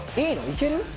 いける？